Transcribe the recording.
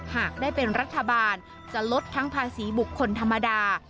หากได้เป็นรัฐบาลจะลดทั้งภาษีบุคคลธรรมดา